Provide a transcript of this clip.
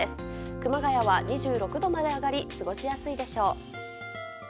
熊谷は２６度まで上がり過ごしやすいでしょう。